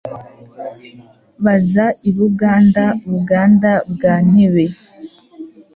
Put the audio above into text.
Baza i Buganda Buganda bwa Ntebe